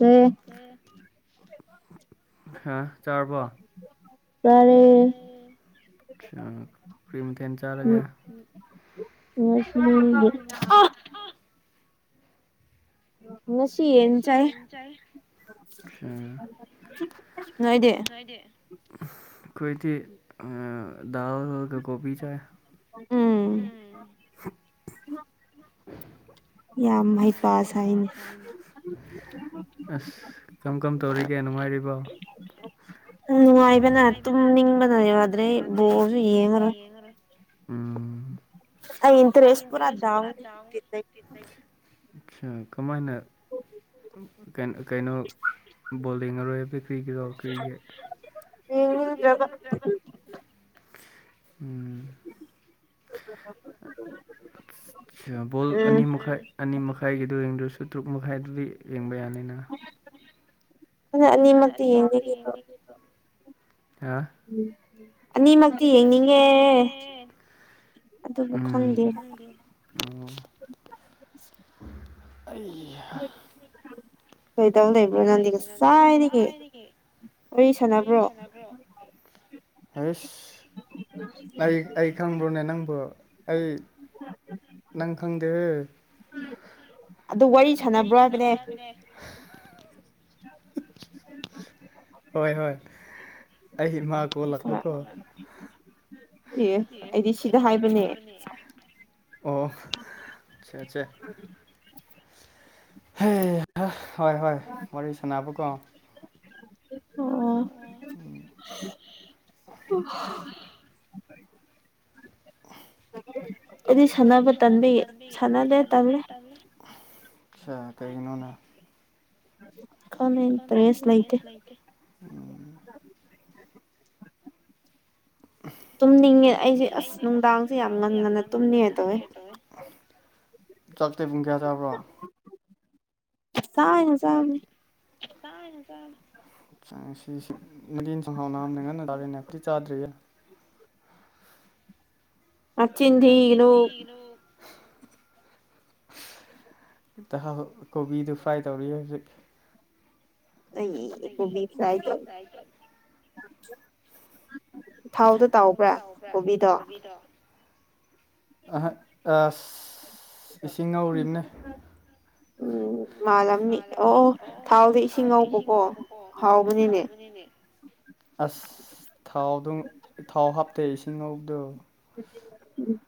ꯑꯝ ꯆꯥꯔꯦ ꯑ ꯀ꯭ꯔꯤꯝꯊꯦꯟ ꯆꯥꯔꯒ ꯉꯥꯁꯤꯗꯤ ꯑꯥ ꯉꯥꯁꯤ ꯌꯦꯟ ꯆꯥꯏꯌꯦ ꯍꯣꯏꯗ ꯑꯩꯈꯣꯏꯗꯤ ꯗꯜ ꯀ ꯀꯣꯕꯤ ꯆꯥ꯫ ꯎꯝ ꯌꯥꯝ ꯃꯥ ꯑꯁ ꯀꯔꯝ ꯀꯝ ꯇꯧꯔꯤꯒꯦ ꯅꯨꯡꯉꯥꯏꯔꯤꯕꯣ꯫ ꯎ ꯅꯨꯡꯉꯥꯏꯕꯅ ꯇꯨꯝꯅꯤꯡꯕꯅꯗ꯭ꯔꯦ ꯕꯁꯨ ꯌꯦꯡꯉꯔꯣꯏ ꯎꯝ ꯑꯩ ꯏꯟꯇ꯭ꯔꯦꯁ ꯀꯃꯥꯏꯅ ꯀꯩꯅ ꯀꯩꯅꯣ ꯣꯂꯤꯔꯣꯏꯕ ꯀ꯭ꯔꯤꯒꯤꯗꯣ ꯀ꯭ꯔꯤꯒꯦ ꯌꯦꯡꯅꯤꯡꯗ꯭ꯔꯕ ꯎꯝ꯫ ꯑ ꯕꯣꯜ ꯑꯅꯤ ꯃꯈꯥꯏ ꯑꯅꯤ ꯃꯈꯥꯏꯒꯤꯗꯨ ꯌꯦꯡꯗꯔꯁꯨ ꯇꯔꯨꯛ ꯃꯈꯥꯏꯗꯨꯗꯤ ꯌꯦꯡꯕ ꯌꯥꯅꯤꯅ ꯑꯅꯤꯛꯇ ꯌꯦꯡꯒꯣ꯫ ꯑꯅꯤꯃꯛꯀꯤ ꯌꯦꯡꯅꯤꯡꯉꯦ ꯑꯗꯨꯕꯨ ꯈꯪꯗꯦ ꯎꯝ ꯑꯩ꯫ ꯏꯟꯑꯣꯗꯤꯕꯜ ꯀꯩꯗꯧ ꯂꯩꯕ꯭ꯔꯣ ꯅꯪꯗꯤ ꯉꯁꯥꯏꯗꯒꯤ ꯋꯥꯔꯤ ꯁꯥꯟꯅꯕ꯭ꯔꯣ꯫ ꯇꯥꯕ꯭ꯔꯣ ꯍꯁ ꯑꯩ ꯑꯩ ꯈꯪꯕ꯭ꯔꯣꯅꯦ ꯅꯪꯕꯣ ꯑꯩ ꯅꯪꯈꯪꯗꯦ ꯑꯗꯨ ꯋꯥꯔꯤ ꯁꯥꯟꯅꯕ꯭ꯔꯣ ꯍꯥꯏꯕꯅꯦ ꯍꯥ꯫ ꯍꯣꯏ ꯍꯣꯏ ꯑꯩ ꯏꯃ ꯀꯣ ꯂꯥꯛꯄꯀꯣ ꯁꯤ ꯑꯩꯗꯤ ꯁꯤꯗ ꯍꯥꯏꯕꯅꯦ꯫ ꯑꯣ ꯆꯦꯆꯦ ꯍ ꯍꯣꯏ ꯍꯣꯏ ꯋꯥꯔꯤ ꯁꯥꯟꯅꯕꯀꯣ [unintelligible] ꯑꯍ ꯑꯗꯨ ꯁꯥꯟꯅꯕ ꯇꯟꯕꯤ ꯁꯥꯟꯅꯗꯦ ꯇꯜꯂꯦ [unintelligible] ꯀꯩꯒꯤꯅꯣꯅꯦ ꯀꯃꯦꯜꯇ꯭ꯔꯦꯁ ꯂꯩꯇꯦ ꯎꯝ ꯇꯨꯝꯅꯤꯡꯉꯦ ꯑꯩꯁꯦ ꯑꯁ ꯅꯨꯡꯗꯥꯡꯁꯦ ꯌꯥꯝ ꯉꯟ ꯉꯟꯅ ꯇꯨꯝꯅꯤꯉ ꯇꯧꯋꯦ ꯆꯥꯛ ꯇꯤ ꯄꯨꯡ ꯀꯌꯥ ꯆꯥꯕ꯭ꯔꯣ ꯁꯥꯏꯅ ꯆꯕꯅꯦ [unintelligible] [unintelligible] ꯆꯥꯗꯤꯌꯦ ꯃꯆꯤꯟ ꯊꯤꯒꯤꯅꯨ ꯀꯩꯅꯨ ꯍꯥꯎ ꯀꯣꯕꯤꯗꯨ ꯐ꯭ꯔꯥꯏ ꯇꯧꯔꯤ ꯍꯧꯖꯤꯛ [unintelligible] ꯊꯥꯎꯗ ꯇꯥꯎꯕ꯭ꯔꯥ ꯀꯣꯕꯤꯗꯣ ꯑꯍ ꯑ ꯏꯁꯤꯡ ꯉꯧꯔꯤꯕꯅꯦ ꯎꯝ ꯃꯥꯜꯂꯝꯅꯤ ꯑꯣ ꯊꯥꯎꯗ ꯏꯁꯤꯡ ꯉꯧꯕꯀꯣ ꯍꯥꯎꯕꯅꯤꯅꯦ ꯅꯤꯅꯦ ꯑꯁ ꯊꯥꯎꯗꯣ ꯊꯥꯎ ꯍꯥꯞꯇꯦ ꯏꯁꯤꯡꯉꯧꯕꯗꯣ ꯎꯝ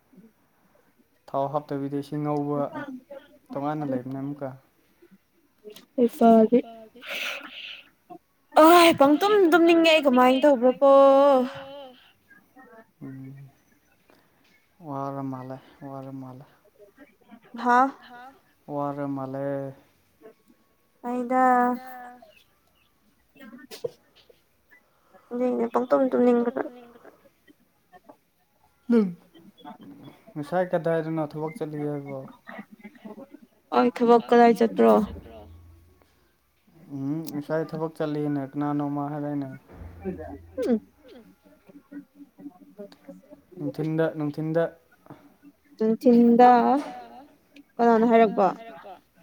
ꯊꯥꯎ ꯍꯥꯞꯇꯕꯤꯗ ꯏꯁꯤꯡ ꯉꯧꯕ ꯇꯣꯉꯥꯟꯅ ꯂꯩꯕꯅꯦ ꯑꯃꯈꯛ ꯍꯩꯄꯗꯤ ꯑ ꯄꯪ ꯇꯨꯝ ꯇꯨꯝꯅꯤꯡꯉꯦ ꯑꯩ ꯀꯃꯥꯏꯅ ꯇꯧꯕ꯭ꯔꯣꯀꯣ ꯎꯝ ꯋꯥꯔ ꯃꯥꯜꯂꯦ ꯋꯥꯔ ꯃꯥꯜꯂꯦ ꯍꯥꯥ ꯋꯥꯔꯃꯂꯦ ꯑꯩꯗ ꯅꯤꯡꯑꯩ ꯄꯪꯇꯣꯝ ꯇꯨꯝ ꯅꯤꯡꯕꯗ ꯉꯁꯥꯏ ꯀꯗꯥꯏꯗꯅꯣ ꯊꯕꯛ ꯆꯠꯂꯤ ꯍꯥꯏꯕꯣ ꯑꯩ ꯊꯕꯛ ꯀꯗꯥꯏ ꯆꯠꯇ꯭ꯔꯣ ꯎꯝ ꯏꯁꯥꯥꯏ ꯊꯕꯛ ꯆꯠꯂꯤꯅꯦ ꯀꯅꯥꯅꯣꯃ ꯍꯥꯏꯔꯛ ꯏꯅꯦ [unintelligible] ꯅꯨꯡꯊꯤꯟꯗ ꯅꯨꯡꯊꯤꯟꯗ ꯅꯨꯡꯊꯤꯟꯗ ꯀꯅꯥꯅ ꯍꯥꯏꯔꯛꯄ [unintelligible]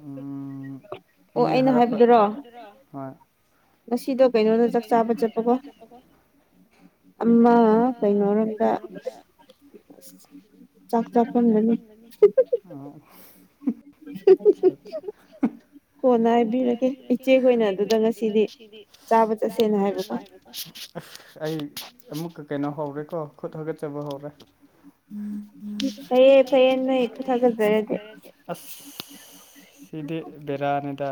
ꯎꯝ ꯃꯤꯅ ꯍꯥꯏꯔꯛꯄ ꯍꯣꯏ ꯉꯁꯤꯗꯣ ꯀꯩꯅꯣꯗ ꯆꯥꯛ ꯆꯥꯕ ꯆꯠꯄꯀꯣ [unintelligible] ꯑꯃ ꯀꯩꯅꯣꯔꯣꯝꯗ ꯆꯥꯛ ꯆꯍꯟꯒꯅꯤ ꯍꯝꯍꯝꯍꯝ ꯀꯣꯟꯅ ꯍꯥꯏꯕꯤꯔꯒꯦ ꯏꯆꯦꯈꯣꯏꯅ ꯑꯗꯨꯗ ꯉꯁꯤꯗꯤ ꯆꯥꯕ ꯆꯠꯁꯦꯅ ꯍꯥꯏꯕꯀꯣ ꯑꯁ ꯑꯩ ꯑꯃꯨꯛꯀ ꯀꯩꯅꯣ ꯍꯧꯔꯦꯀꯣ ꯈꯨꯠ ꯍꯥꯒꯠꯆꯕ ꯍꯧꯔꯦ ꯐꯩꯌꯦ ꯐꯩꯌꯦ ꯅꯣꯏ ꯈꯨꯠ ꯍꯀꯆꯔꯗꯤ ꯑꯁ ꯁꯤꯗꯤ ꯕꯦꯔꯥꯅꯤꯗ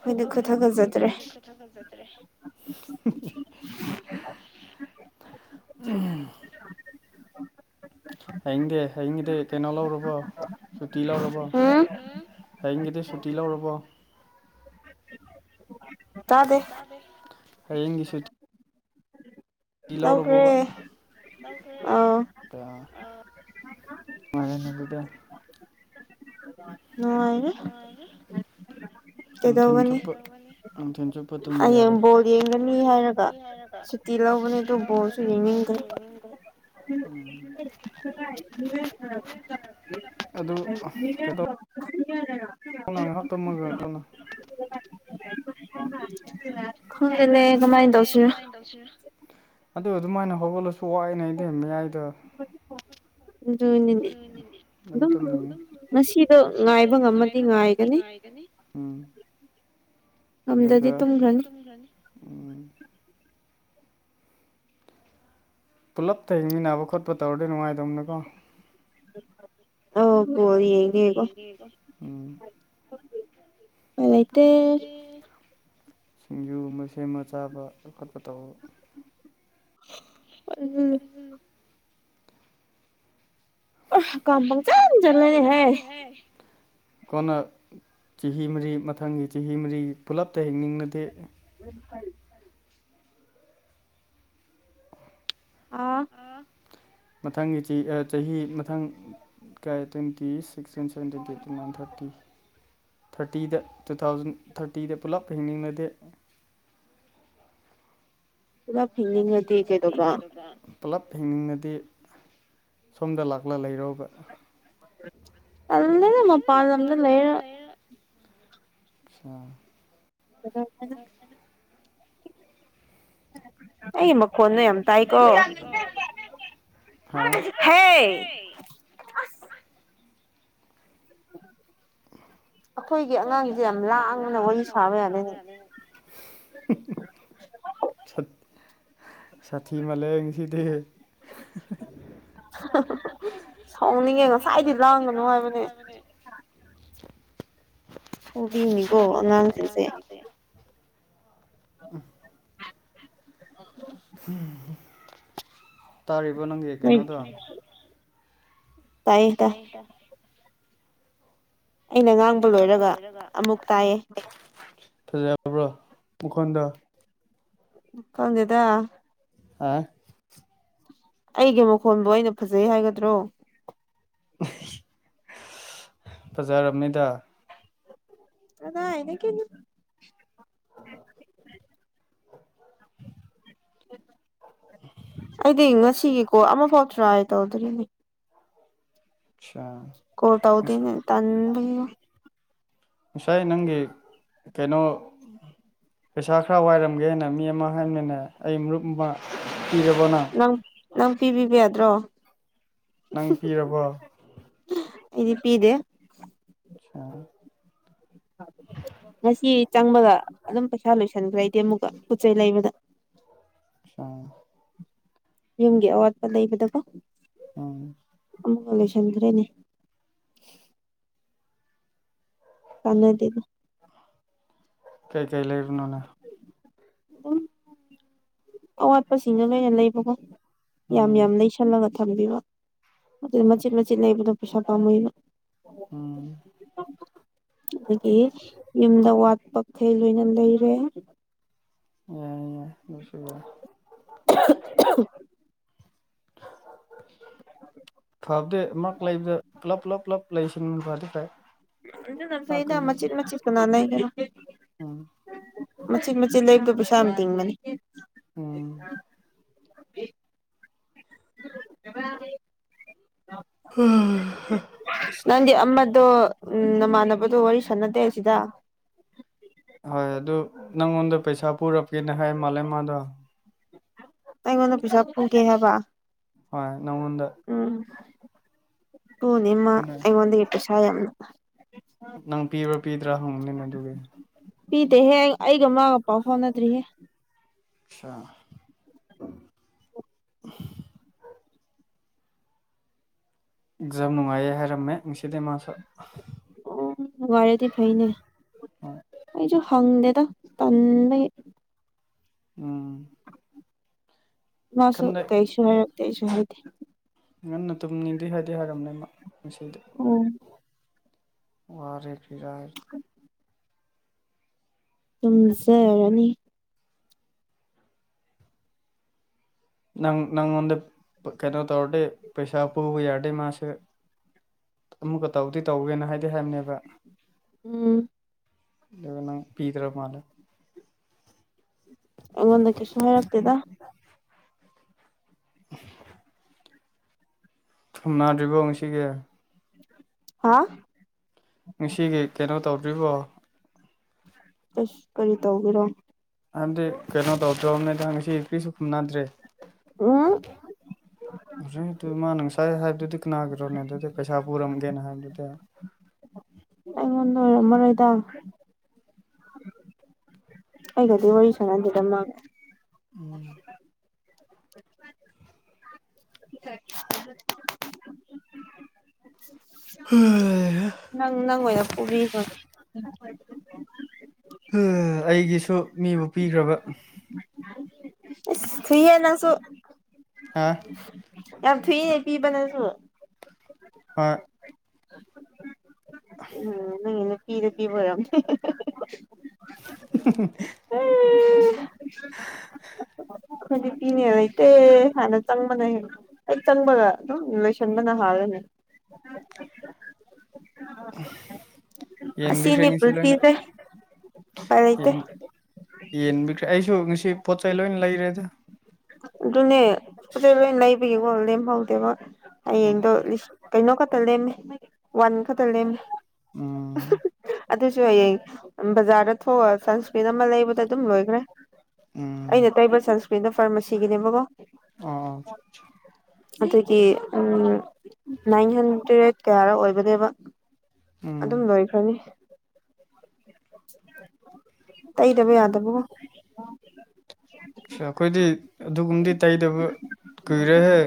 ꯑ ꯑꯩꯈꯣꯏ ꯎꯝ [unintelligible] ꯍꯌꯦꯡꯗꯦ ꯍꯌꯦꯡꯗꯤꯒꯤꯗꯤ ꯀꯩꯅꯣ ꯂꯧꯔꯕꯣ ꯁꯨꯇꯤ ꯂꯧꯔꯕꯣ ꯍꯌꯦꯡꯒꯤꯗꯤ ꯁꯨꯇꯤ ꯂꯧꯔꯕꯣ ꯇꯗꯦ ꯇꯗꯦ ꯍꯌꯦꯡꯒꯤ ꯁꯨꯇꯤ ꯂꯧꯒꯔ꯭ꯦ ꯑꯧ ꯑ ꯅꯨꯡꯉꯥꯏꯔꯦꯅꯦ ꯑꯗꯨꯗꯤ ꯅꯨꯡꯉꯥꯏꯌꯦ ꯅꯨꯡꯊꯤꯟ ꯆꯨꯞ ꯅꯨꯡꯊꯤꯟ ꯆꯨꯞ ꯇꯨꯝꯕ ꯌꯥꯔꯦ ꯍꯌꯦꯡ ꯕꯣꯜ ꯌꯦꯡꯒꯅꯤ ꯍꯥꯏꯔꯒ ꯁꯨꯇꯤ ꯂꯧꯒꯅꯤ ꯑꯗꯨ ꯕꯣꯜꯁꯨ ꯌꯦꯡꯅꯤꯡꯗꯔ꯭ꯦꯕ ꯑꯗꯨ ꯍꯉꯥꯡ ꯇꯨꯝꯃꯒ ꯉꯟꯅ ꯈꯪꯗꯦꯅꯦ ꯀꯃꯥꯏꯗꯧꯁꯤꯔꯥ ꯑꯗꯨ ꯑꯗꯨꯃꯥꯏꯅ ꯍꯧꯒꯠꯂꯁꯨ ꯋꯥꯏꯅꯦ ꯑꯩꯗꯤ ꯃꯌꯥꯏꯗ ꯉꯁꯤꯗꯣ ꯉꯥꯏꯕ ꯉꯝꯃꯗꯤ ꯉꯥꯏꯒꯅꯤ ꯎꯝ ꯑꯗꯨꯒ ꯎꯝ ꯄꯨꯜꯂꯞꯇ ꯍꯤꯡꯃꯤꯟꯅꯕ ꯈꯣꯠꯄ ꯇꯧꯔꯗꯤ ꯅꯨꯡꯉꯥꯏꯇꯧꯅꯀꯣ ꯑꯥꯎ ꯕꯣꯜ ꯌꯦꯒꯦꯒꯣ ꯂꯩꯇꯦ ꯁꯤꯡꯖꯨꯒꯨꯝꯕ ꯁꯦꯝꯕ ꯆꯥꯕꯈꯣꯠꯄ ꯇꯧꯕ ꯎꯝ ꯎꯝ ꯀꯝ ꯄ ꯆ ꯆꯠꯂꯅꯦ ꯍꯥꯏꯌꯦ [unintelligible] ꯀꯣꯟꯅ ꯆꯍꯤ ꯃꯔꯤ ꯃꯊꯪꯒꯤ ꯆꯍꯤ ꯃꯔꯤ ꯄꯨꯂꯞꯇ ꯍꯤꯡꯅꯤꯡꯅꯗꯦ ꯎ ꯐ [unintelligible] ꯑꯥ ꯃꯊꯪꯒꯤ ꯆꯍꯤ ꯆꯍꯤ ꯃꯊꯪ ꯀꯥꯏ twenties sixteen seven twenty eight two nine thirty ꯊꯥꯔꯇꯤꯗ ꯇꯨ ꯊꯥꯎꯖꯟ ꯊꯥꯔꯇꯤꯗ ꯄꯨꯂꯞ ꯍꯤꯡꯅꯤꯡꯉꯗꯦ ꯄꯨꯂꯞ ꯍꯤꯡꯅꯤꯡꯉꯗꯤ ꯀꯩꯗꯧꯕ ꯄꯨꯂꯞ ꯍꯤꯡꯅꯤꯡꯉꯗꯤ ꯁꯣꯝꯗ ꯂꯥꯛꯂꯒ ꯂꯩꯔꯣꯕ ꯇꯥꯟꯂꯤꯗ ꯃꯄꯥꯟ ꯂꯝꯗ ꯂꯩꯔꯒꯥ ꯎꯝ ꯗꯅ [unintelligible] [inaudible] ꯑꯩ ꯃꯈꯣꯟꯅ ꯌꯥꯝ ꯇꯥꯏꯀꯣ ꯍ ꯑꯩꯈꯣꯏꯒꯤ ꯑꯉꯥꯡꯁꯦ ꯌꯥꯝ ꯂꯥꯡꯕꯅ ꯋꯥꯔꯤ ꯁꯥꯕ ꯌꯥꯗꯦꯅꯦ ꯆꯠ ꯁꯥꯊꯤ ꯃꯥꯂꯦꯍꯦ ꯉꯥꯁꯤꯗꯤ ꯁꯥꯎꯅꯤꯡꯉꯦ ꯉꯁꯥꯏꯗꯩꯩ ꯂꯥꯡꯒꯅꯨ ꯍꯥꯏꯕꯅꯦ ꯐꯨꯕꯤꯅꯤꯀꯣ ꯑꯉꯥꯡꯁꯤꯡꯁꯦ ꯇꯥꯔꯤꯕꯣ ꯅꯪꯒꯤ ꯀꯩꯅꯣꯗ ꯇꯥꯏꯌꯦ ꯇꯥꯏ ꯑꯩꯅ ꯉꯥꯡꯕ ꯂꯣꯏꯔꯒ ꯑꯃꯨ ꯐꯖꯕ꯭ꯔꯣ ꯃꯈꯣꯟꯗ ꯈꯪꯗꯦꯗ ꯑꯥ ꯑꯩꯒꯤ ꯃꯈꯣꯟꯕꯨ ꯑꯩꯅ ꯐꯖꯩ ꯍꯥꯏꯒꯗ꯭ꯔꯣ ꯐꯖꯥꯔꯝꯅꯤꯗ ꯀꯗꯥꯏꯗꯒꯤꯅꯣ ꯑ [inaudible] ꯑꯩꯗꯤ ꯉꯁꯤꯒꯤꯀꯣ ꯀꯣꯜ ꯑꯃꯐꯥꯎ ꯇ꯭ꯔꯥꯏ ꯇꯧꯗꯣꯔꯤꯅꯦ ꯀꯣꯜ ꯇꯥꯎꯗꯤꯅꯦ ꯇꯥꯟꯕꯒꯤ ꯉꯁꯥꯏ ꯅꯪꯒꯤ ꯀꯩꯅꯣ ꯄꯩꯁꯥ ꯈꯔ ꯋꯥꯏꯔꯝꯒꯦꯅ ꯃꯤ ꯑꯃ ꯍꯥꯏꯅꯅꯦ ꯑꯩ ꯃꯔꯨꯞ ꯑꯃ ꯄꯤꯔꯕꯅ ꯅꯪ ꯅꯪ ꯄꯤꯕꯤꯕ ꯌꯥꯗ꯭ꯔꯣ ꯅꯪ ꯄꯤꯔꯕ ꯑꯩꯗꯤ ꯄꯤꯗꯦ ꯆ ꯉꯁꯤ ꯆꯪꯕꯗ ꯑꯗꯨꯝ ꯄꯩꯁꯥ ꯂꯣꯏꯁꯟꯈ꯭ꯔꯦ ꯑꯩꯗꯤ ꯑꯃꯨꯛꯀ ꯄꯣꯠꯆꯩ ꯂꯩꯕꯗ ꯑꯆꯥꯥ ꯌꯨꯝꯒꯤ ꯑꯋꯥꯠꯄ ꯂꯩꯕꯗ ꯀꯣ ꯎꯝ ꯑꯃꯨꯛꯀ ꯂꯣꯏꯁꯟꯈꯔꯦꯅꯦ ꯀꯥꯟꯅꯗꯦꯗꯤ ꯀꯩ ꯀꯩ ꯂꯩꯕꯅꯣꯅꯦ ꯑꯋꯥꯠꯄꯁꯤꯡꯅ ꯂꯣꯏꯅ ꯂꯩꯕꯀꯣ ꯌꯥꯝ ꯌꯥꯝ ꯂꯩꯁꯜꯂꯒ ꯊꯝꯕꯤꯕ ꯑꯗꯨ ꯃꯆꯤꯠ ꯃꯆꯤꯠ ꯂꯩꯕꯗꯣ ꯄꯩꯁꯥ ꯄꯥꯝꯃꯨꯏꯕ ꯎꯝ ꯑꯗꯨꯒꯤ ꯌꯨꯝꯗ ꯋꯥꯠꯄꯈꯩ ꯂꯣꯏꯅ ꯂꯩꯔꯦ ꯌꯥꯏ ꯌꯥꯏ ꯑꯗꯨꯁꯨ ꯌꯥꯏ ꯊ ꯊꯪ [inaudible] ꯐꯕꯗꯤ ꯃꯔꯛ ꯂꯩꯕꯗ ꯄꯨꯂꯞ ꯄꯨꯂꯞ ꯄꯨꯂꯞ ꯂꯩꯁꯤꯟꯕꯗꯤ ꯐꯩ ꯑꯗꯨꯅ ꯐꯩꯗ ꯃꯆꯤꯠ ꯃꯆꯤꯠ ꯀꯅꯥꯅ ꯂꯩꯗꯣꯏꯅꯣ ꯃꯆꯤꯠ ꯃꯆꯤꯠ ꯂꯩꯕꯗꯨ ꯄꯩꯁꯥ ꯌꯥꯝ ꯇꯤꯡꯕꯅꯤ ꯎꯝ ꯍꯥ ꯍꯥ ꯅꯪꯗꯤ ꯑꯃꯗꯣ ꯎꯝ ꯅꯃꯥꯟꯅꯕꯗꯣ ꯋꯥꯔꯤ ꯁꯥꯟꯅꯗꯦ ꯁꯤꯗ ꯍꯣꯏ ꯑꯗꯨ ꯅꯪꯉꯣꯟꯗ ꯄꯩꯁꯥ ꯄꯨꯔꯛꯀꯦꯅ ꯍꯥꯏ ꯃꯥꯜꯂꯦ ꯃꯥꯗꯣ ꯑꯩꯉꯣꯟꯗ ꯄꯩꯁꯥ ꯄꯨꯒꯦ ꯍꯥꯏꯕ ꯍꯣꯏ ꯅꯪꯉꯣꯟꯗ ꯎꯝ ꯄꯨꯅꯤ ꯃꯥ ꯑꯩꯉꯣꯟꯗꯒꯤ ꯄꯩꯁꯥ ꯌꯥꯝꯅ ꯅꯪ ꯄꯤꯕ꯭ꯔꯥ ꯄꯤꯗ꯭ꯔꯥ ꯍꯪꯕꯅꯤꯅꯦ ꯑꯗꯨꯒꯤ ꯄꯤꯗꯦꯍꯦ ꯑꯩꯒ ꯃꯥꯒ ꯄꯥꯎ ꯐꯥꯎꯅꯗ꯭ꯔꯤꯍꯦ ꯑꯆꯥ ꯑꯦꯛꯖꯥꯝ ꯅꯨꯡꯉꯥꯏꯌꯦ ꯍꯥꯏꯔꯝꯃꯦ ꯉꯁꯤꯗꯤ ꯃꯥꯁꯨ ꯑꯣ ꯅꯨꯡꯉꯥꯏꯔꯗꯤ ꯐꯩꯅꯦ ꯑꯩꯁꯨ ꯍꯪꯗꯦꯗ ꯇꯟꯕꯒꯤ ꯎꯝ ꯃꯥꯁꯨ ꯀꯩꯁꯨ ꯍꯥꯏꯔꯛꯇꯦ ꯑꯩꯁꯨ ꯍꯥꯏꯗꯦ ꯉꯟꯅ ꯇꯨꯝꯅꯤꯡꯗꯤ ꯍꯥꯏꯗꯤ ꯍꯥꯏꯔꯝꯅꯦ ꯃꯥ ꯉꯁꯤꯗꯤ ꯑꯣ ꯋꯥꯔꯦ ꯐꯤꯔ ꯇꯨꯝꯖꯔꯅꯤ ꯅꯪ ꯅꯪꯉꯣꯟꯗ ꯀꯩꯅꯣ ꯇꯧꯔꯗꯤ ꯄꯩꯁꯥ ꯄꯨꯕ ꯌꯥꯔꯗꯤ ꯃꯥꯁꯦ ꯑꯃꯨꯛꯀ ꯇꯧꯗꯤ ꯇꯧꯋꯦꯅ ꯍꯥꯏꯗꯤ ꯍꯥꯏꯕꯅꯦꯕ ꯎꯝ꯫ ꯑꯗꯨꯒ ꯅꯪ ꯄꯤꯗ꯭ꯔ ꯃꯥꯂꯦ ꯑꯩꯉꯣꯟꯗ ꯀꯩꯁꯨ ꯍꯥꯏꯔꯥꯛꯇꯦꯗ ꯎ ꯊꯝꯅꯗ꯭ꯔꯤꯕꯣ ꯉꯁꯤꯒꯤ ꯍꯥ ꯉꯁꯤꯒꯤ ꯀꯩꯅꯣ ꯇꯧꯗ꯭ꯔꯤꯕꯣ ꯑꯁ ꯀꯔꯤ ꯇꯧꯕꯤꯔꯣ ꯍꯥꯏꯕꯗꯤ ꯀꯩꯅꯣ ꯇꯧꯗ꯭ꯔꯣꯕꯅꯤꯗꯪ ꯉꯁꯤ ꯀꯔꯤꯁꯨ ꯈꯨꯝꯅꯗ꯭ꯔꯦ [unintelligible] [unintelligible] ꯍ ꯑꯗꯨ ꯃꯥꯅ ꯉꯁꯥꯏ ꯍꯥꯏꯕꯗꯨꯗꯤ ꯀꯅꯥꯒꯤꯔꯣꯅꯦ ꯑꯗꯨꯗꯤ ꯄꯩꯁꯥ ꯄꯨꯔꯝꯒꯦꯅ ꯍꯥꯏꯕꯗꯨꯗꯤ ꯑꯩꯉꯣꯟꯅ ꯔꯃꯔꯣꯏꯗ ꯍꯒꯗꯤꯦ ꯑꯣꯏꯁꯣꯅꯗꯗꯃ ꯎꯝ [unintelligible] ꯅꯪ ꯅꯪꯑꯣꯏꯅ ꯄꯨꯕꯤꯈ꯭ꯔꯣ ꯑꯩꯒꯤꯁꯨ ꯃꯤꯕꯨ ꯄꯤꯈ꯭ꯔꯕ ꯊꯨꯑꯦ ꯅꯡ ꯁꯨ ꯑ ꯌꯥꯝ ꯐꯤꯅꯦ ꯄꯤꯕꯅꯦꯁꯨ ꯍꯣꯏ ꯎꯝ ꯅ ꯄꯤꯗꯗꯤ ꯑꯣꯏꯔꯝꯅꯦ ꯍꯨꯝ ꯍꯨꯃ ꯍꯨꯝ ꯎꯝ ꯈꯗꯤ ꯄꯤꯅꯤ ꯍꯥꯏꯔ ꯏꯇꯦ ꯍꯥꯏꯥꯟꯅ ꯆꯥꯡꯪꯕꯅ ꯑꯩ ꯆꯪꯕꯒ ꯑꯗꯨꯝ ꯂꯣꯏꯁꯟꯕꯅ ꯍꯜꯂꯦꯅꯦ ꯌꯦꯟꯕꯤꯈ꯭ꯔꯦ ꯉꯥꯁꯤ ꯂꯣꯏꯅ ꯌꯦꯟꯕꯤꯈ꯭ꯔꯦ ꯑꯩꯁꯨ ꯉꯁꯤ ꯄꯣꯠ ꯆꯩ ꯂꯣꯏꯅ ꯂꯩꯔꯦꯗ ꯑꯗꯨꯅꯦ ꯄꯣꯠꯆꯩ ꯂꯣꯏ ꯂꯩꯕꯒꯤꯀꯣ ꯂꯦꯝꯍꯧꯗꯦꯕ ꯍꯌꯦꯡꯗꯣ ꯂꯤꯁꯤꯡ ꯀꯩꯅꯣ ꯈꯛꯇ ꯂꯦꯝꯃꯦ ꯋꯥꯟ ꯈꯛꯇ ꯂꯦꯝꯃꯦ ꯑꯗꯨꯁꯨ ꯍꯌꯦꯡ ꯕꯖꯥꯔꯗ ꯊꯣꯛꯑꯒꯥ ꯁꯟꯁꯀ꯭ꯔꯤꯟ ꯑꯃ ꯂꯩꯕꯗ ꯑꯗꯨꯝ ꯂꯣꯏꯈ꯭ꯔꯦ ꯑꯩꯅ ꯇꯩꯕ ꯁꯟꯁꯀꯔꯤꯟꯗ ꯐꯥꯔꯃꯥꯁꯤ ꯁꯤꯅꯦꯕ ꯀꯣ ꯑ ꯑꯗꯨꯗꯤ ꯅꯥꯏꯟ ꯍꯟꯗ꯭ꯔꯦꯠ ꯀꯌꯥꯔ ꯑꯣꯏꯕꯅꯦꯕ ꯑꯗꯨꯝ ꯂꯣꯏꯈ꯭ꯔꯅꯤ ꯇꯩꯗꯕ ꯌꯥꯗꯕ ꯁꯥ ꯑꯩꯈꯣꯏꯗꯤ ꯑꯗꯨꯒꯨꯝꯕꯗꯤ ꯇꯩꯗꯕ ꯀꯥꯏꯔꯦꯍꯦ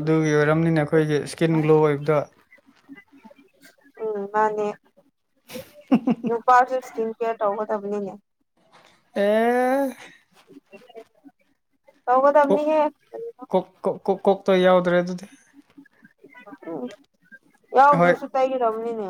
ꯑꯗꯨꯒꯤ ꯑꯣꯏꯔꯝꯅꯤꯅ ꯑꯩꯈꯣꯏꯒꯤ ꯏꯁꯀꯤꯟ ꯒ꯭ꯂꯣ ꯑꯣꯏꯕꯗ ꯎꯝ ꯃꯥꯅꯦ ꯅꯨꯄꯥꯁꯨ ꯏꯁꯀꯤꯟ ꯀꯦꯌꯔ ꯇꯧꯒꯗꯕꯅꯤꯅꯦ ꯑꯦ ꯀꯣꯛ ꯀꯣ - ꯀꯣ - ꯀꯣ ꯀꯣꯛꯇꯣ ꯌꯥꯎꯗ꯭ꯔꯦ ꯑꯗꯨꯗꯤ ꯎꯝ ꯌꯥꯎꯗ꯭ꯔꯁꯨ ꯇꯩꯒꯗꯕꯅꯤꯅꯦ